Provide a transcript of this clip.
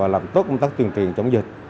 làm tốt công tác truyền truyền chống dịch